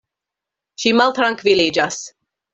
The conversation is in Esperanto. Ŝi maltrankviliĝas.